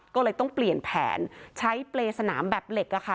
ก็เลยต้องเปลี่ยนแผนใช้เปรย์สนามแบบเหล็กอะค่ะ